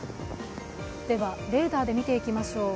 レーダーで見ていきましょう。